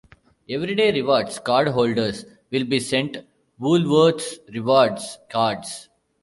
Everyday Rewards cardholders will be sent 'Woolworths Rewards' cards.